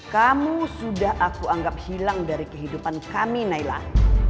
kamu sudah aku anggap hilang dari kehidupan kami nailah